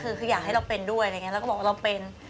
คือคืออยากให้เราเป็นด้วยอะไรอย่างนี้เราก็บอกว่าเราเป็น